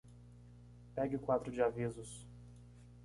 Pegue o quadro de avisos!